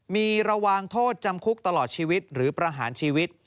มีระวังโทษจำคุกตลอดชีวิตหรือประหารชีวิต